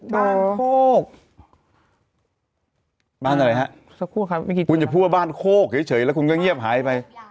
บ้านโคกบ้านอะไรฮะสักครู่ครับเมื่อกี้คุณจะพูดว่าบ้านโคกเฉยแล้วคุณก็เงียบหายไป